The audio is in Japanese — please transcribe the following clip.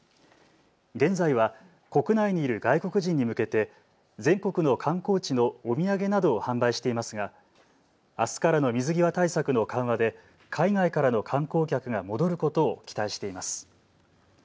現在は国内にいる外国人に向けて全国の観光地のお土産などを販売していますがあすからの水際対策の緩和で海外からの観光客が戻ることを期待しています。